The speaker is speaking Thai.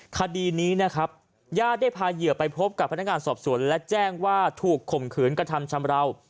คดีนี้นะครับญาติได้พาเหยื่อไปพบกับพนักงานสอบสวนและแจ้งว่าถูกข่มขืนกระทำชำราว